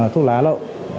thuốc lá lộ